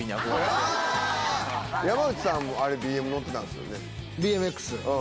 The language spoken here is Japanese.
山内さんもＢＭ乗ってたんですよね？